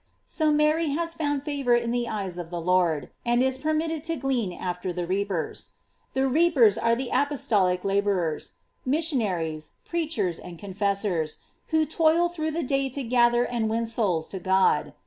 so Mary has found fa vor in the eyes of the Lord, and is permitted to glean after the reapers, f The reapers are the apo1 tolic laborers, missionaries, preachers, and con fessors, who toil through the day to gather and win souls to God.